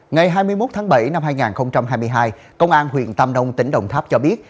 ngày hai mươi một tháng bảy năm hai nghìn hai mươi hai công an huyện tam nông tỉnh đồng tháp cho biết